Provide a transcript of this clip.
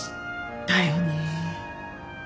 だよね。